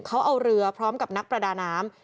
เขาเอาเรือพร้อมกับนักประดาน้ำ